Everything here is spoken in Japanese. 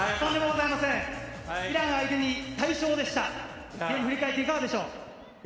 イラン相手に快勝でした、振り返って、いかがでしょう？